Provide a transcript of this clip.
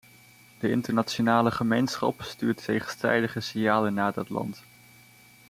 De internationale gemeenschap stuurt tegenstrijdige signalen naar dat land.